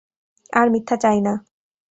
আর মিথ্যা চাই না!